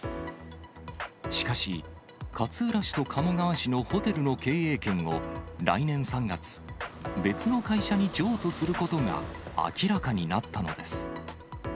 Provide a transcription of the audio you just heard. しかし、勝浦市と鴨川市のホテルの経営権を来年３月、別の会社に譲渡することが明らかになったのです。